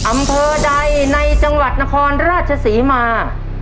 อำเภอใดในจังหวัดนครราชศรีมา